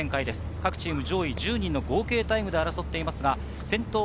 各チーム、上位１０人の合計タイムで争っています。